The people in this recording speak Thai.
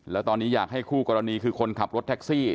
แล้วตอนนี้อยากให้คู่กรณีคือคนขับรถแท็กซี่